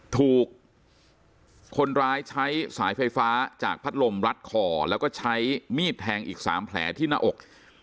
ถูกคนร้ายใช้สายไฟฟ้าจากพัดลมรัดคอแล้วก็ใช้มีดแทงอีก๓แผลที่หน้าอก